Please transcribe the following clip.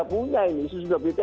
percobaan masih sudah punya ini